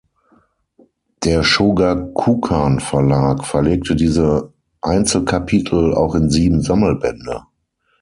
Der Shogakukan-Verlag verlegte diese Einzelkapitel auch in sieben Sammelbände.